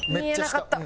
見えなかった。